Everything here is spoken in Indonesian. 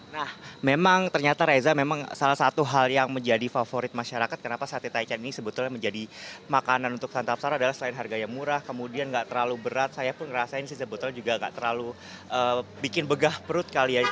nah memang ternyata reza memang salah satu hal yang menjadi favorit masyarakat kenapa sate taichan ini sebetulnya menjadi makanan untuk santap sara adalah selain harga yang murah kemudian nggak terlalu berat saya pun ngerasain sih sebetulnya juga nggak terlalu bikin begah perut kali ya